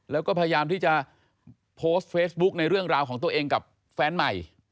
แล้วก็พยายามที่จะโพสต์เฟซบุ๊คในเรื่องราวของตัวเองกับแฟนใหม่